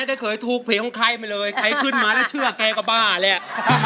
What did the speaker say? แต่เคยถูกเพลงของใครไปเลยใครขึ้นมาแล้วเชื่อแกก็บ้าแล้ว